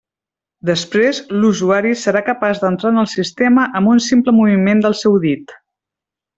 Després, l'usuari serà capaç d'entrar en el sistema amb un simple moviment del seu dit.